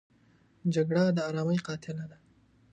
جګړه د آرامۍ قاتله ده